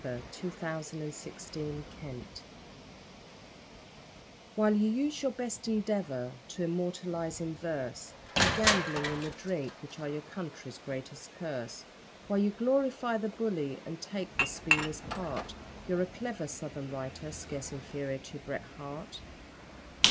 Australian Bards and Bush Reviewers While you use your best endeavour to immortalise in verse The gambling and the drink which are your country's greatest curse, While you glorify the bully and take the spieler's part You're a clever southern writer, scarce inferior to Bret Harte.